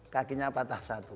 kakinya patah satu